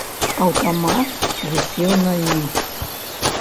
Аўтамат вісеў на ім.